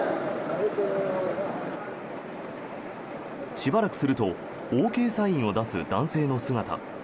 しばらくするとＯＫサインを出す男性の姿。